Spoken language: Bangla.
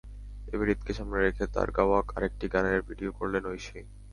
এবার ঈদকে সামনে রেখে তাঁর গাওয়া আরেকটি গানের ভিডিও করলেন ঐশী।